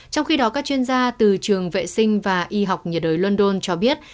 trong khi đó các chuyên gia từ trường vệ sinh và y học nhiệt đới london cho biết